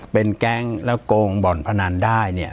ปากกับภาคภูมิ